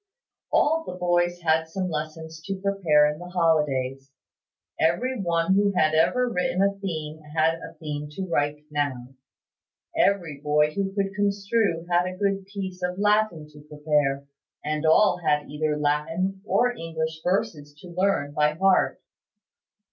All the boys had some lessons to prepare in the holidays. Every one who had ever written a theme had a theme to write now. Every boy who could construe had a good piece of Latin to prepare; and all had either Latin or English verses to learn by heart.